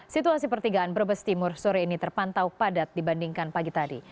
situasi pertigaan brebes timur sore ini terpantau padat dibandingkan pagi tadi